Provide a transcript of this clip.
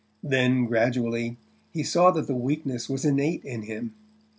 Then, gradually, he saw that the weakness was innate in him.